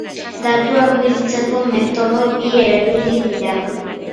Datuak biltzeko metodo bi erabili dira.